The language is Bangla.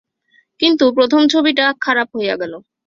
কিন্তু প্রথম ছবিটা খারাপ হইয়া গেল।